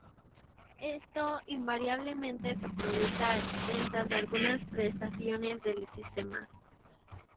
Esto invariablemente se produce a expensas de algunas prestaciones del sistema.